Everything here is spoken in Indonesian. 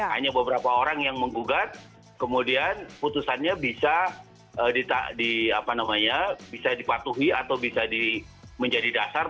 hanya beberapa orang yang menggugat kemudian putusannya bisa dipatuhi atau bisa menjadi dasar